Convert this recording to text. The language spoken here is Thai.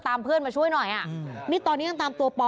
เพื่อนมาช่วยหน่อยอ่ะนี่ตอนนี้ยังตามตัวปอ